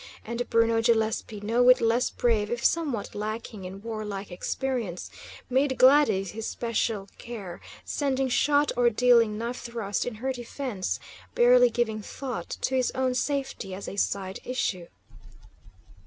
And Bruno Gillespie, no whit less brave if somewhat lacking in warlike experience, made Gladys his especial care, sending shot or dealing knife thrust in her defence, barely giving thought to his own safety as a side issue.